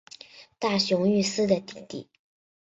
大熊裕司的弟弟。